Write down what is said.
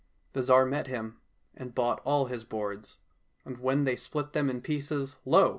The Tsar met him, and bought all his boards, and when they split them in pieces, lo